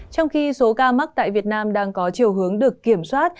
trong khi số ca mắc tại việt nam đang có chiều hướng được kiểm soát